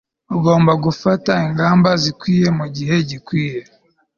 ugomba gufata ingamba zikwiye mugihe gikwiye